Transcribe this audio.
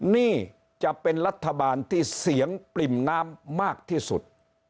นี่จะเป็นรัฐบาลที่เสียงปริ่มน้ำมากที่สุด